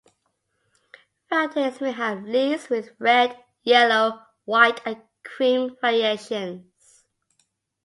Varieties may have leaves with red, yellow, white and cream variations.